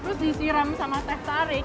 terus disiram sama teh tarik